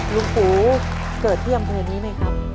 ลุงปู่เกิดที่อำเภอนี้ไหมครับ